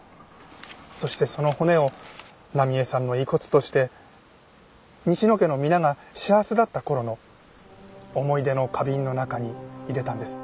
そしてその骨を奈美絵さんの遺骨として西野家の皆が幸せだった頃の思い出の花瓶の中に入れたんです。